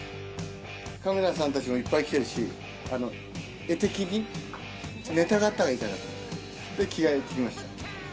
カメラさんたちもいっぱい来てるし、絵的にネタがあったほうがいいかなと思って、着替えてきました。